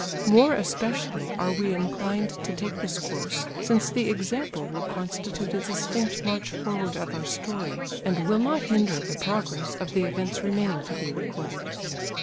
More especially are we inclined to take this course since the example will constitute a distinct march forward of our story, and will not hinder the progress of the events remaining to be recorded.